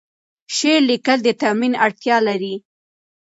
شعر لیکل د تمرین اړتیا لري.